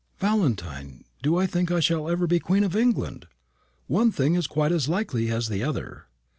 "Valentine! Do I think I shall ever be Queen of England? One thing is quite as likely as the other."